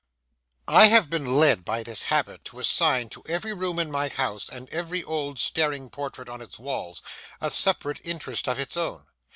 I have been led by this habit to assign to every room in my house and every old staring portrait on its walls a separate interest of its own.